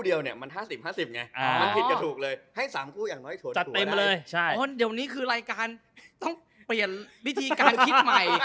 เดี๋ยววันนี้คือรายการต้องเปลี่ยนวิธีการคิดใหม่